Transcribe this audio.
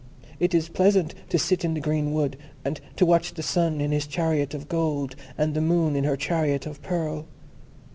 It is pleasant to sit in the green wood, and to watch the Sun in his chariot of gold, and the Moon in her chariot of pearl.